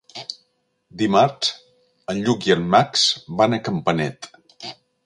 Dimarts en Lluc i en Max van a Campanet.